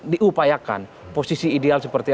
diupayakan posisi ideal seperti